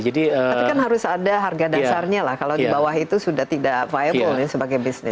tapi kan harus ada harga dasarnya lah kalau di bawah itu sudah tidak viable sebagai bisnis